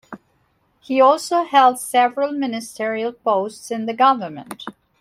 He also held several ministerial posts in the government.